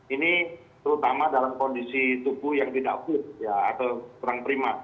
ini terutama dalam kondisi tubuh yang tidak fit atau kurang prima